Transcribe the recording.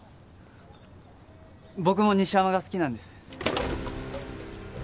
僕も西山が好きなんです。